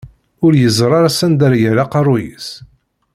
Ur yeẓri ara s anda ara yerr aqerru-s.